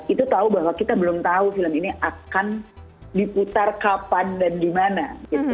itu tahu bahwa kita belum tahu film ini akan diputar kapan dan dimana